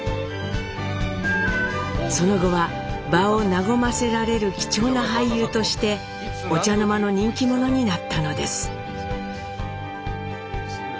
その後は場を和ませられる貴重な俳優としてお茶の間の人気者になったのです。